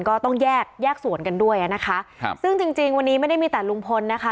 ก็ต้องแยกแยกสวนกันด้วยอ่ะนะคะครับซึ่งจริงจริงวันนี้ไม่ได้มีแต่ลุงพลนะคะ